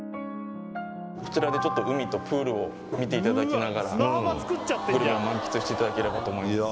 こちらでちょっと海とプールを見ていただきながらグルメを満喫していただければと思います